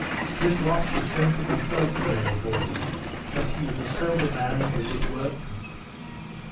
This loss was sensibly felt during the voyage, as he was a sober man and a good workman.